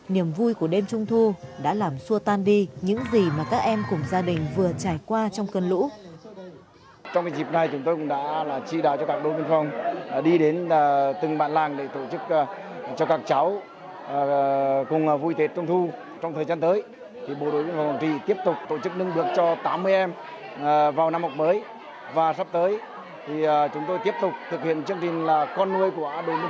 niềm vui của đêm trung thu đã làm xua tan đi những gì mà các em cùng gia đình vừa trải qua trong cơn lũ